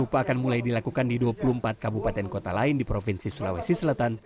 upaya akan mulai dilakukan di dua puluh empat kabupaten kota lain di provinsi sulawesi selatan